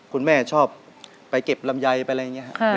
คุณแม่ชอบไปเก็บลำไยไปอะไรอย่างนี้ครับ